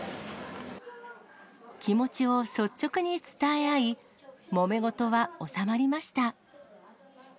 気持ちを率直に伝え合い、もめ事は収まりました。